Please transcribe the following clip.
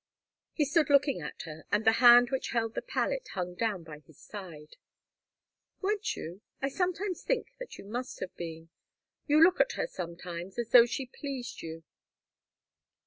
He stood looking at her, and the hand which held the palette hung down by his side. "Weren't you? I sometimes think that you must have been. You look at her sometimes as though she pleased you."